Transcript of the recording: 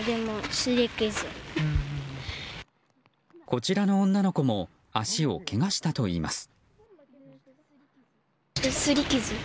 こちらの女の子も足をけがしたといいます。